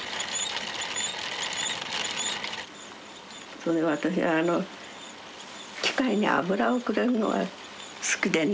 それで私はあの機械に油をくれるのが好きでね。